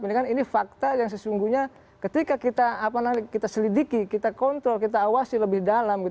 mendingan ini fakta yang sesungguhnya ketika kita selidiki kita kontrol kita awasi lebih dalam